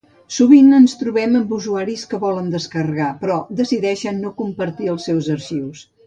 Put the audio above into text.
Sovint ens trobem amb usuaris que volen descarregar, però decideixen no compartir els seus arxius.